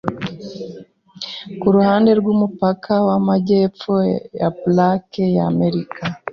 Kuruhande rwumupaka wamajyepfo ya plaque ya Amerika